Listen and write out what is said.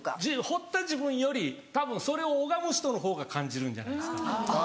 彫った自分よりたぶんそれを拝む人のほうが感じるんじゃないですか？